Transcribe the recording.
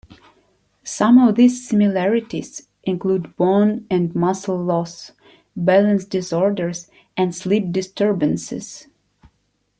Some of these similarities include bone and muscle loss, balance disorders and sleep disturbances.